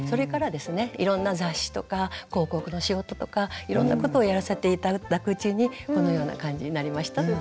いろんな雑誌とか広告の仕事とかいろんなことをやらせて頂くうちにこのような感じになりましたという。